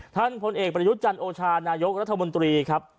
ท่านผลเอกประยุจจันทร์โอชานายกรัฐมนตรีครับ